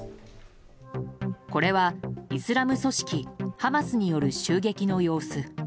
これは、イスラム組織ハマスによる襲撃の様子。